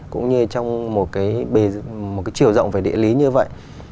cũng như trong một cái chiều rộng về địa lý như vậy